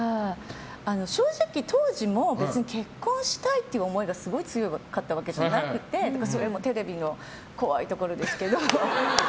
正直、当時も別に結婚したい思いがすごく強かったわけじゃなくてそれはテレビの怖いところですけど。